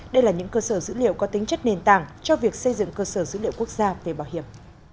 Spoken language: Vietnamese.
đây là những cơ sở dữ liệu có tính chất nền tảng cho việc xây dựng cơ sở dữ liệu quốc gia về bảo hiểm